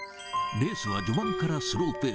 レースは序盤からスローペース。